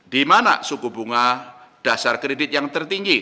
di mana suku bunga dasar kredit yang tertinggi